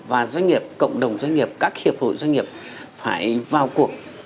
và doanh nghiệp cộng đồng doanh nghiệp các hiệp hội doanh nghiệp phải vào cuộc